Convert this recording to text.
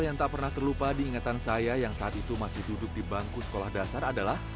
yang tak pernah terlupa diingatan saya yang saat itu masih duduk di bangku sekolah dasar adalah